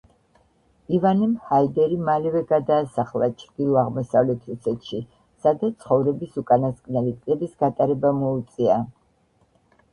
ივანემ ჰაიდერი მალევე გადაასახლა ჩრდილო-აღმოსავლეთ რუსეთში, სადაც ცხოვრების უკანასკნელი წლების გატარება მოუწია.